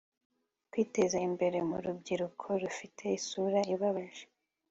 kwiteza imbere mu rubyiruko rufite isura ibabaje